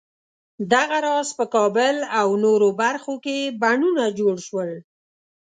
دغه راز په کابل او نورو برخو کې بڼونه جوړ شول.